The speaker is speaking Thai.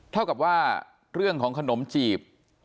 เท่ากับว่าเรื่องของขนมจีบ